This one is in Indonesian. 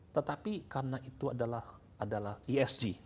tetapi karena itu adalah esg